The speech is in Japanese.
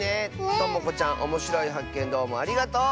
ともこちゃんおもしろいはっけんどうもありがとう！